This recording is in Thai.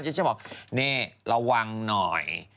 ฉันจะบอกนี่ระวังหน่อย